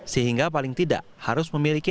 sehingga paling tidak harus memiliki